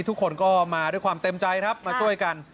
ทุกคนก็มาด้วยความเต็มใจมายังเจ้าหน้ากัน